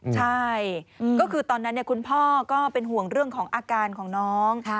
ใช่ก็คือตอนนั้นคุณพ่อก็เป็นห่วงเรื่องของอาการของน้อง